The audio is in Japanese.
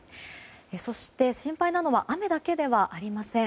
そして、心配なのは雨だけではありません。